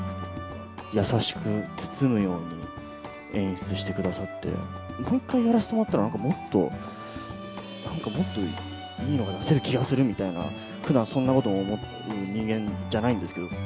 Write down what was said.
優しく包むように演出してくださって、もう一回やらせてもらったら、なんか、もっと、なんかもっといいのが出せる気がするみたいな、ふだんそんなことを思う人間じゃないんですけれども。